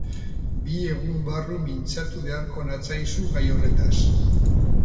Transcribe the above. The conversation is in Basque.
Bi egun barru mintzatu beharko natzaizu gai horretaz.